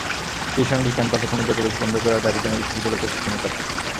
সেই সঙ্গে ক্যাম্পাসে খুনিদের প্রবেশ বন্ধ করার দাবি জানায় বিশ্ববিদ্যালয় প্রশাসনের কাছে।